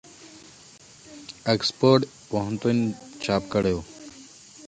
آکسفورډ پوهنتون چاپ کړی وو.